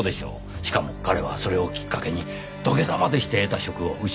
しかも彼はそれをきっかけに土下座までして得た職を失っています。